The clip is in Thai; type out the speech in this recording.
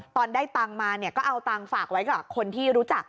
ตอนได้ตังค์มาเนี่ยก็เอาตังค์ฝากไว้กับคนที่รู้จัก